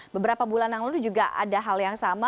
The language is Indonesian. beberapa bulan yang lalu juga ada hal yang sama